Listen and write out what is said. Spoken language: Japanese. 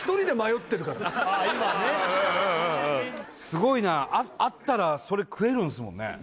すごいな合ったらそれ食えるんすもんね